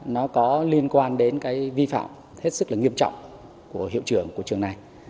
nó có liên quan đến cái vi phạm hết sức là nghiêm trọng của hiệu trưởng của trường này